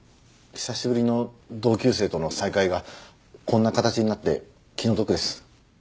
久しぶりの同級生との再会がこんな形になって気の毒です。